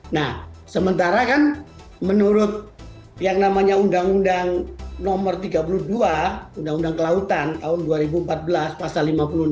nah sementara kan menurut yang namanya undang undang nomor tiga puluh dua undang undang kelautan tahun dua ribu empat belas pasal lima puluh enam